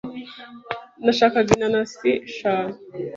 Nashakaga inanasi eshanu.